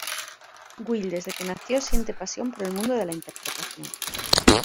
Will desde que nació siente pasión por el mundo de la interpretación.